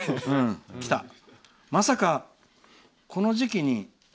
まさか、この時期に。